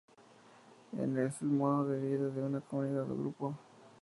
Es el modo de vida de una comunidad o grupo.